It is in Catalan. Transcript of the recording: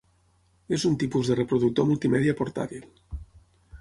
És un tipus de reproductor multimèdia portàtil.